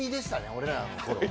俺らのころは。